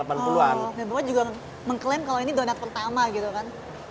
oh dan bapak juga mengklaim kalau ini donat pertama gitu kan